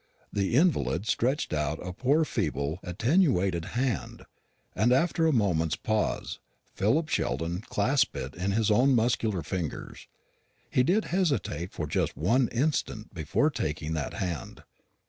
The invalid stretched out a poor feeble attenuated hand, and, after a moment's pause, Philip Sheldon clasped it in his own muscular fingers. He did hesitate for just one instant before taking that hand.